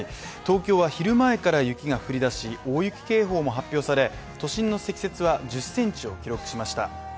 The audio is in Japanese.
東京は昼前から雪が降り出し、大雪警報も発表され、都心の積雪は１０センチを記録しました。